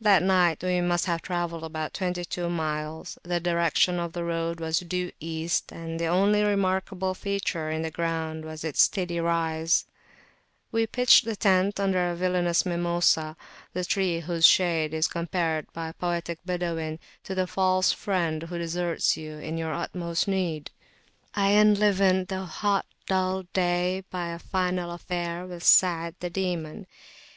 That night we must have travelled about twenty two miles; the direction of the road was due East, and the only remarkable feature in the ground was its steady rise. [p.276] We pitched the tent under a villainous Mimosa, the tree whose shade is compared by poetic Badawin to the false friend who deserts you in your utmost need. I enlivened the hot dull day by a final affair with Sa'ad the Demon.